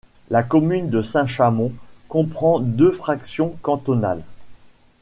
La commune de Saint-Chamond comprend deux fractions cantonales.